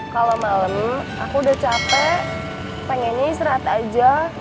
kalau malam aku udah capek pengennya istirahat aja